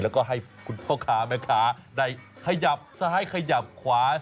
แล้วก็ให้คุณพ่อค้าแม่ค้าได้ขยับซ้ายขยับขวา